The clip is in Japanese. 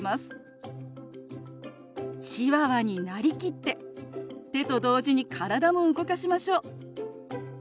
チワワになりきって手と同時に体も動かしましょう。